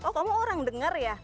oh kamu orang dengar ya